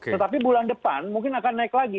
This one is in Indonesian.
tetapi bulan depan mungkin akan naik lagi